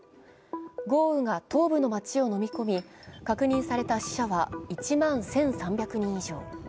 豪雨が東部の町をのみ込み、確認された死者は１万１３００人以上。